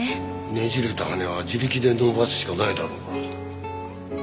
ねじれた羽は自力で伸ばすしかないだろうが。